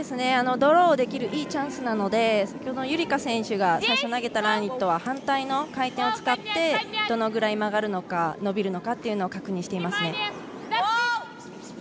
ドローできるいいチャンスなので夕梨花選手が最初投げたラインとは反対の回転を使ってどのぐらい曲がるのか伸びるのかっていうのを確認していますね。